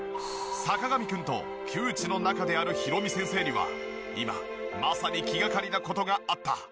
坂上くんと旧知の仲であるヒロミ先生には今まさに気がかりな事があった。